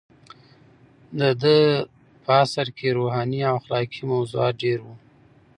د ده په عصر کې روحاني او اخلاقي موضوعات ډېر وو.